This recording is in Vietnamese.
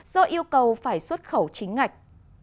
do yêu cầu phải xuất khẩu chính ngạch